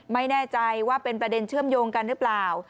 ไม่แน่ใจว่าเป็นประเด็นเชื่อมโยงกันหรือเปล่า